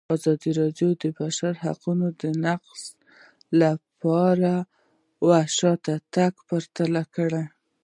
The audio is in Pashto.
ازادي راډیو د د بشري حقونو نقض پرمختګ او شاتګ پرتله کړی.